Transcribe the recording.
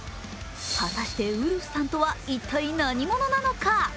果たしてウルフさんとは一体、何者なのか。